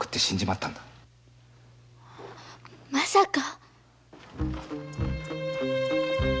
まさか！？